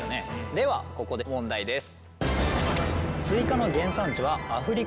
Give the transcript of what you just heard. ではここで問題です。